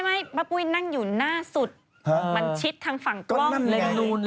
ไม่ป้าปุ้ยนั่งอยู่หน้าสุดมันชิดทางฝั่งกล้องเลย